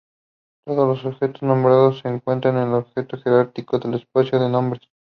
Todos los objetos nombrados se encuentran en el objeto jerárquico del espacio de nombres.